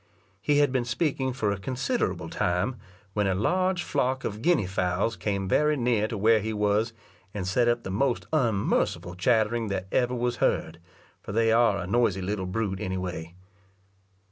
He had been speaking for a considerable time, when a large flock of guinea fowls came very near to where he was, and set up the most unmerciful chattering that ever was heard, for they are a noisy little brute any way.